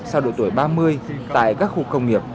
sau độ tuổi ba mươi tại các khu công nghiệp